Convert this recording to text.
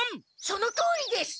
そのとおりです！